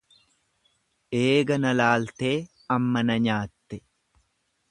Eega na laaltee amma na nyaatte.